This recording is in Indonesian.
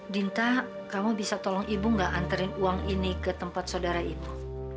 dinta kamu bisa tolong ibu nggak anterin uang ini ke tempat saudara ibu